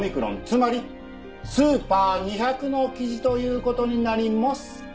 つまりスーパー２００の生地という事になります。